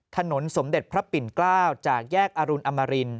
ถนนสมเด็จพระปิ่นเกล้าจากแยกอรุณอมริน